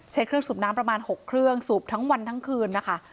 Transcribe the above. ใช้เครื่องสูบน้ำประมาณ๖เครื่องสูบทั้งวันทั้งคืนนะคะ